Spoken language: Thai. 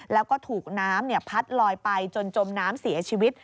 แล้วก็ถูกน้ำพัดลอยไปจนจมน้ำเสียชีวิต